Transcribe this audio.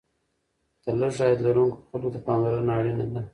د لږ عاید لرونکو خلکو ته پاملرنه اړینه ده.